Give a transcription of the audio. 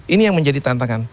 ini yang menjadi tantangan